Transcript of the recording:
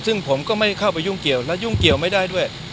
ซึ่งผมก็ไม่เข้าไปยุ่งเกี่ยวและยุ่งเกี่ยวไม่ได้ด้วย